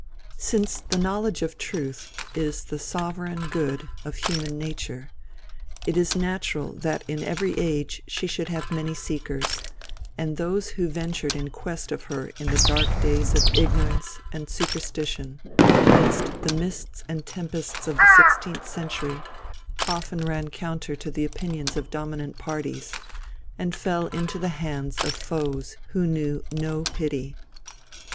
Since the knowledge of Truth is the sovereign good of human nature, it is natural that in every age she should have many seekers, and those who ventured in quest of her in the dark days of ignorance and superstition amidst the mists and tempests of the sixteenth century often ran counter to the opinions of dominant parties, and fell into the hands of foes who knew no pity.